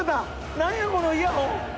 何やこのイヤホン。